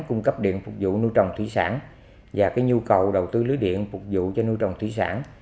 có điện phục vụ nuôi trồng thủy sản và cái nhu cầu đầu tư lưới điện phục vụ cho nuôi trồng thủy sản